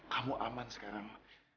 kamu aman sekarang